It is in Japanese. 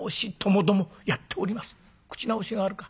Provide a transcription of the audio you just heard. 「口直しがあるか。